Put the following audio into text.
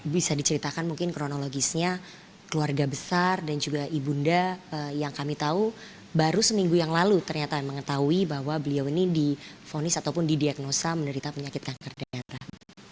bisa diceritakan mungkin kronologisnya keluarga besar dan juga ibunda yang kami tahu baru seminggu yang lalu ternyata mengetahui bahwa beliau ini difonis ataupun didiagnosa menderita penyakit kanker darah